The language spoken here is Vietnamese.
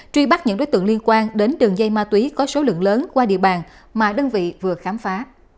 truy bắt những đối tượng liên quan đến đường dây ma túy có số lượng lớn qua địa bàn mà đơn vị vừa khám phá